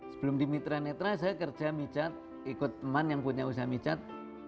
sebelum di mitra netra saya kerja micat ikut teman yang punya usaha micat